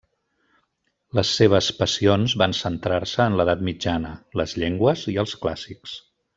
Les seves passions van centrar-se en l'edat mitjana, les llengües i els clàssics.